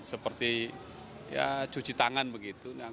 seperti cuci tangan begitu